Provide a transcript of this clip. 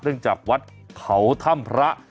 เนื่องจากวัดเขาธรรมพระ